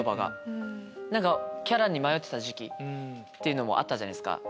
キャラに迷った時期っていうのもあったじゃないっすか。